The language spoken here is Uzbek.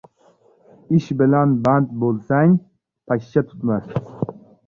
• Ish bilan band bo‘lsang, pashsha tutma.